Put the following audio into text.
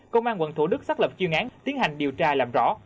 công an quận thủ đức xác lập chuyên án tiến hành điều tra làm rõ